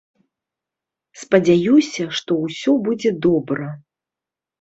Спадзяюся, што ўсё будзе добра.